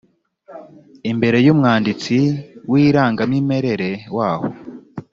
imbere y umwanditsi w irangamimerere waho